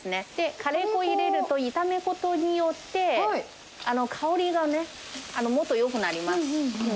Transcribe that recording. カレー粉入れると、炒めることによって、香りがね、もっとよくなります。